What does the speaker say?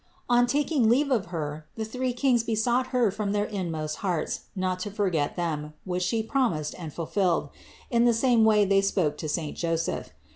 On taking leave of Her, the three Kings besought Her from their inmost hearts not to forget them, which She promised and ful filled ; in the same way they spoke to saint Joseph.